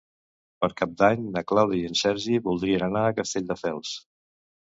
Per Cap d'Any na Clàudia i en Sergi voldrien anar a Castelldefels.